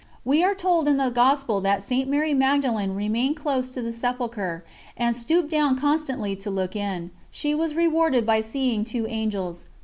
We are told in the Gospel that St. Mary Magdalen remained close to the Sepulchre and stooped down constantly to look in; she was rewarded by seeing two Angels.